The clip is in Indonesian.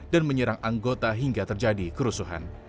dan menyerang anggota hingga terjadi kerusuhan